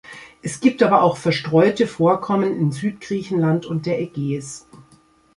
Es gibt aber auch verstreute Vorkommen in Südgriechenland und der Ägäis.